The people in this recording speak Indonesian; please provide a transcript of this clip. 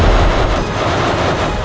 aku akan terus memburumu